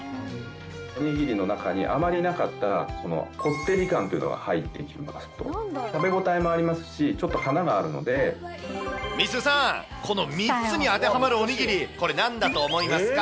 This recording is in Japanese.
おにぎりの中にあまりなかったこってり感というのが入ってきますと、食べ応えもありますし、みーすーさん、この３つに当てはまるおにぎり、これ、なんだと思いますか？